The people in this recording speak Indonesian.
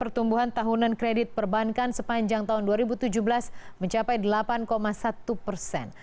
pertumbuhan tahunan kredit perbankan sepanjang tahun dua ribu tujuh belas mencapai delapan satu persen